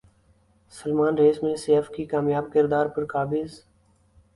Salman race میں سیف کے کامیاب کردار پر قابض